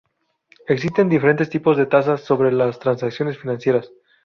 Existen diferentes tipos de tasas sobre las transacciones financieras.